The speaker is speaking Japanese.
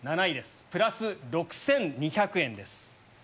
７位ですプラス６２００円です。